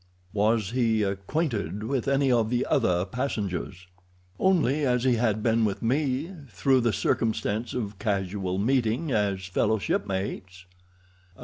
"Was he acquainted with any of the other passengers?" "Only as he had been with me—through the circumstance of casual meeting as fellow shipmates."